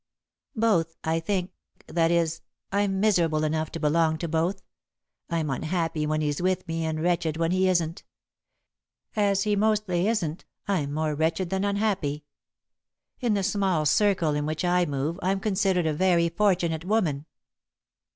"Both, I think that is, I'm miserable enough to belong to both. I'm unhappy when he's with me and wretched when he isn't. As he mostly isn't, I'm more wretched than unhappy. In the small circle in which I move, I'm considered a very fortunate woman.